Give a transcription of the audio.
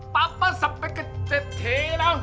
bapak sampai ketik ketik nak